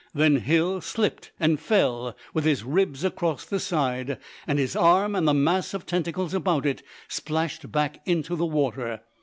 Then Hill slipped and fell with his ribs across the side, and his arm and the mass of tentacles about it splashed back into the water.